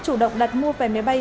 chủ động đặt mua về máy bay